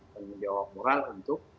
penjawab moral untuk